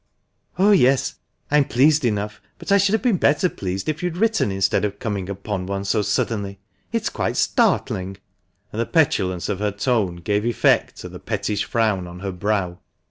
" Oh, yes, I am pleased enough, but I should have been better pleased if you had written instead of coming upon one so suddenly. It is quite startling!" and the petulance of her tone gave effect to the pettish frown on her brow.